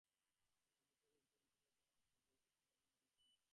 Penalty থেকে goal দুটি করা ছাড়াও অ্যাটলেটিকোকে বেশ নাচিয়ে ছেড়েছেন রোনালদো।